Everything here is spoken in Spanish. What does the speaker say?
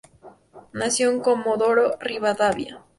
Nació en Comodoro Rivadavia.